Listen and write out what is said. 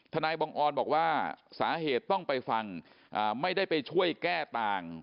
นายบังออนบอกว่าสาเหตุต้องไปฟังไม่ได้ไปช่วยแก้ต่าง